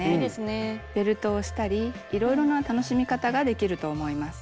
ベルトをしたりいろいろな楽しみ方ができると思います。